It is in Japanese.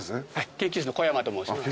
研究員の小山と申します。